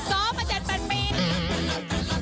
น้องมะเจ็ดแปดปีน่ะ